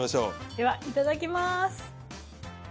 ではいただきます。